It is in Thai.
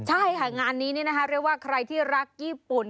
ใช่ค่ะงานนี้เรียกว่าใครที่รักญี่ปุ่น